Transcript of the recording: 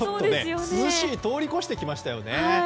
涼しいを通り越してきましたよね。